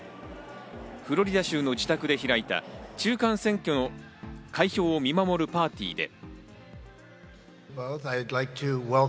フロリダ州の自宅で開いた、中間選挙の開票を見守るパーティーで。